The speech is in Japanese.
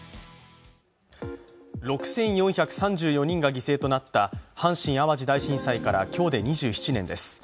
６４３４人が犠牲となった阪神・淡路大震災から今日で２７年です。